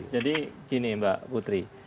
jadi gini mbak putri